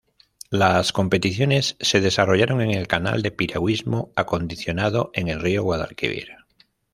Las competiciones se desarrollaron en el canal de piragüismo acondicionado en el río Guadalquivir.